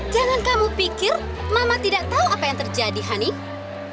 jangan kamu pikir mama tidak tahu apa yang terjadi hanif